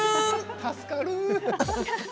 助かる。